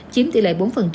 chiếm tỷ lệ bốn